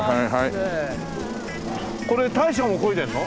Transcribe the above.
これ大将も漕いでるの？